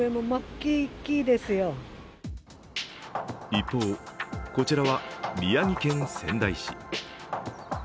一方、こちらは宮城県仙台市。